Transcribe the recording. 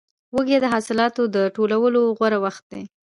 وږی د حاصلاتو د ټولولو غوره وخت دی.